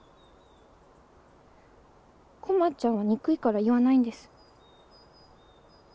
駒ちゃんは憎いから言わないんです。